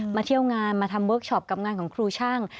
เที่ยวงานมาทำเวิร์คชอปกับงานของครูช่าง